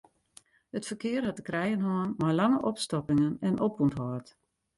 It ferkear hat te krijen hân mei lange opstoppingen en opûnthâld.